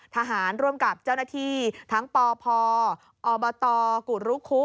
ทหารร่วมกับเจ้าหน้าที่ทั้งปพอบตกุรุคุ